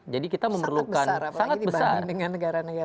sangat besar apalagi dibandingkan dengan negara negara kebanyakan